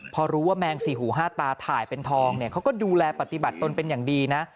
พอรู้ว่าแมงสี่หูห้าตาถ่ายเป็นทองเนี่ยเขาก็ดูแลปฏิบัติตนเป็นอย่างดีนะ